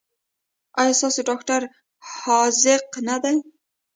ایا ستاسو ډاکټر حاذق نه دی؟